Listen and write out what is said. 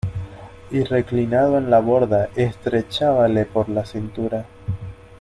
y reclinado en la borda estrechábale por la cintura.